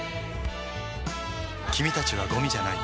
君たちはごみじゃない。